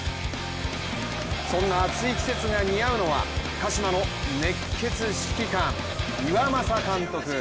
そんな暑い季節が似合うのは鹿島の熱血指揮官岩政監督。